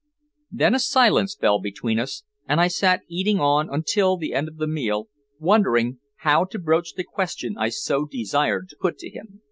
Then a silence fell between us, and I sat eating on until the end of the meal, wondering how to broach the question I so desired to put to him.